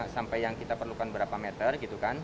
sampai yang kita perlukan berapa meter gitu kan